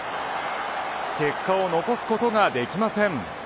結果を残すことができません。